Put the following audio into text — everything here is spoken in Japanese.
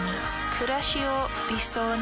くらしを理想に。